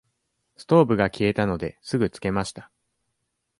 ストーブが消えたので、すぐつけました。